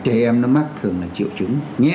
trẻ em nó mắc thường là triệu chứng nhẹ